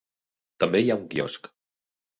També hi ha un quiosc.